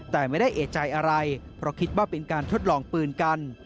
แต่ไม่ได้เอกใจอะไรเพราะคิดว่าเป็นการทดลองปืนกัน